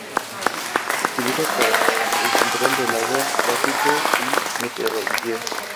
Se utiliza para el control del agua, tráfico y meteorología.